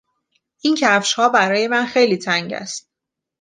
این کفشها برای من خیلی تنگ است.